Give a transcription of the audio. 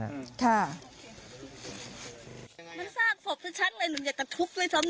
มันซากฝบสักชั้นเลยหนูอยากจะทุบเลยซ้ำหน่อย